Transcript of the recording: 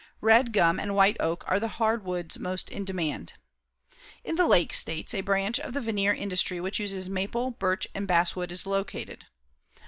Red gum and white oak are the hardwoods most in demand. In the Lake States, a branch of the veneer industry which uses maple, birch and basswood is located.